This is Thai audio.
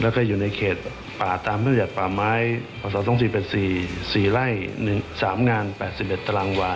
และอยู่ในเขตปลาธนวรินิชาติปลาไม้ประสาทศักดิ์๔๘๔ไร่๓งาน๘๑ตารางวาคม